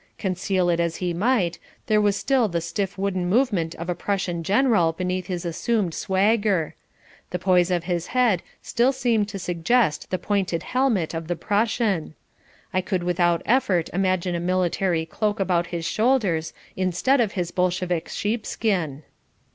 Conceal it as he might, there was still the stiff wooden movement of a Prussian general beneath his assumed swagger. The poise of his head still seemed to suggest the pointed helmet of the Prussian. I could without effort imagine a military cloak about his shoulders instead of his Bolshevik sheepskin.